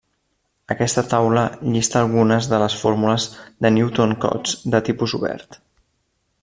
Aquesta taula llista algunes de les fórmules de Newton-Cotes de tipus obert.